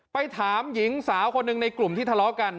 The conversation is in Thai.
ไปถามหญิงสาวคนหนึ่งในกลุ่มที่ทะเลาะกัน